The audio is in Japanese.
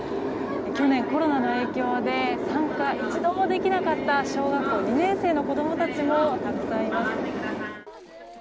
去年、コロナの影響で一度もできなかった小学校２年生の子供たちもたくさんいます。